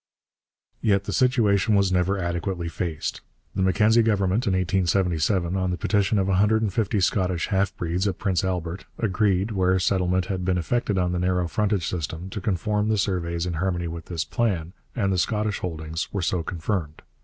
Yet the situation was never adequately faced. The Mackenzie Government, in 1877, on the petition of a hundred and fifty Scottish half breeds at Prince Albert, agreed, where settlement had been effected on the narrow frontage system, to conform the surveys in harmony with this plan, and the Scottish holdings were so confirmed.